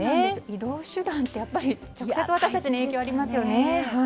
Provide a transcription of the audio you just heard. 移動手段ってやっぱり直接私たちに影響ありますよね。